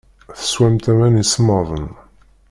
Teswamt aman isemmaḍen.